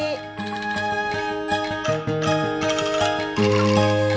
susi susah anti